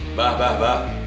mbah mbah mbah